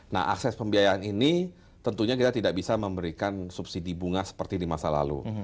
nah akses pembiayaan ini tentunya kita tidak bisa memberikan subsidi bunga seperti di masa lalu